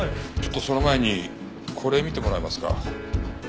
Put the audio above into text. ちょっとその前にこれ見てもらえますか？